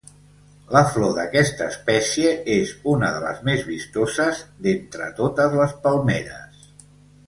La flor d'aquesta espècie és una de les més vistoses d'entre totes les palmeres.